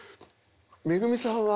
めぐみさんは。